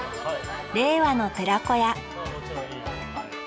「令和の寺子屋」。